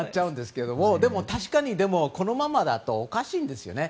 確かにこのままだとおかしいんです。